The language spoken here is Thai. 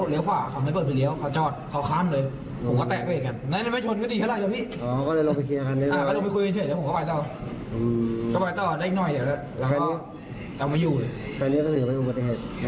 เขาก็ไปต่อเขาก็ไปต่อแล้วก็เอามาอยู่ครั้งเนี้ยก็ถือไปอุบัติเหตุ